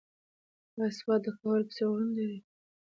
ایا سوات د کابل په څېر غرونه لري؟